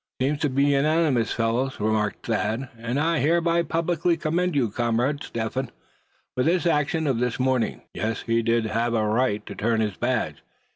"Seems to be unanimous, fellows," remarked Thad; "and I hereby publicly commend our comrade, Step Hen, for his action of this morning. Yes, he did have a right to turn his badge.